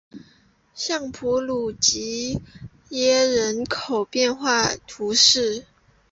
尚普鲁吉耶人口变化图示